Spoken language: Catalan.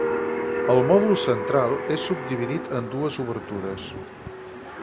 El mòdul central és subdividit en dues obertures.